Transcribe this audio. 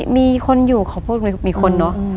มีคนอยู่เขาพูดมีคนเนอะ